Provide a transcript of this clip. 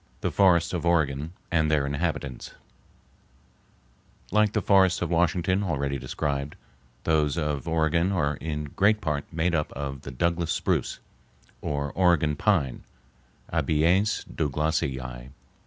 The Forests of Oregon and their Inhabitants Like the forests of Washington, already described, those of Oregon are in great part made up of the Douglas spruce, or Oregon pine (Abies Douglasii).